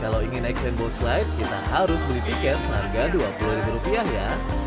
kalau ingin naik rainbow slide kita harus beli tiket seharga dua puluh ribu rupiah ya